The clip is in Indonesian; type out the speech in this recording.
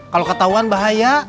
kalau ketahuan bahaya